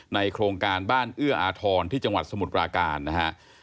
โครงการบ้านเอื้ออาทรที่จังหวัดสมุทรปราการนะฮะ